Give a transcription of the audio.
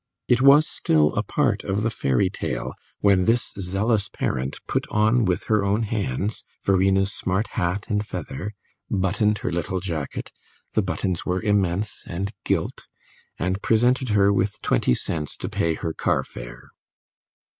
It was still a part of the fairy tale when this zealous parent put on with her own hands Verena's smart hat and feather, buttoned her little jacket (the buttons were immense and gilt), and presented her with twenty cents to pay her car fare.